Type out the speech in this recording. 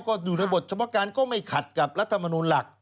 ก็อยู่ในบทเฉพาะการก็ไม่ขัดกับรัฐมนูลหลัก